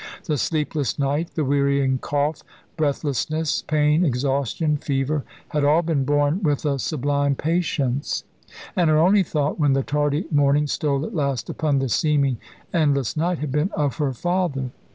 The sleepless night, the wearying cough, breathlessness, pain, exhaustion, fever, had all been borne with a sublime patience; and her only thought when the tardy morning stole at last upon the seeming endless night had been of her father.